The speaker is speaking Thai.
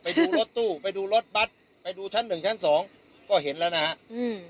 ไปดูรถตู้ไปดูรถบัตรไปดูชั้นหนึ่งชั้นสองก็เห็นแล้วนะฮะอืม